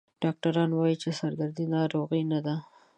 ډاکټران وایي چې سردردي ناروغي نه ده.